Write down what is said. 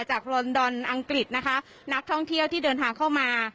พลอนดอนอังกฤษนะคะนักท่องเที่ยวที่เดินทางเข้ามา